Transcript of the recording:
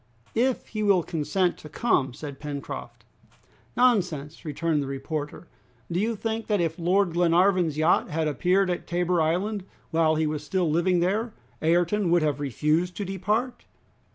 "If he will consent to come," said Pencroft. "Nonsense!" returned the reporter; "do you think that if Lord Glenarvan's yacht had appeared at Tabor Island, while he was still living there, Ayrton would have refused to depart?"